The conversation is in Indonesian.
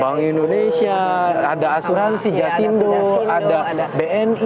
bank indonesia ada asuransi jasindo ada bni